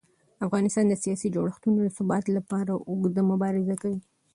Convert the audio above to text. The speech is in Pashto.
افغانستان د سیاسي جوړښتونو د ثبات لپاره اوږده مبارزه کوي